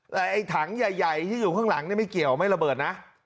แต่ไอ้ถังใหญ่ที่อยู่ข้างหลังไม่เกี่ยวไม่ระเบิดนะ